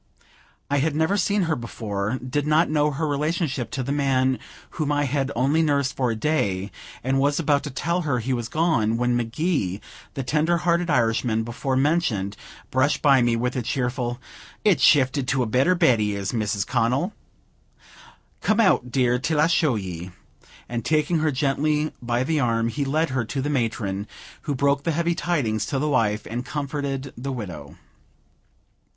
I had never seen her before, did not know her relationship to the man whom I had only nursed for a day, and was about to tell her he was gone, when McGee, the tender hearted Irishman before mentioned, brushed by me with a cheerful "It's shifted to a better bed he is, Mrs. Connel. Come out, dear, till I show ye;" and, taking her gently by the arm, he led her to the matron, who broke the heavy tidings to the wife, and comforted the widow.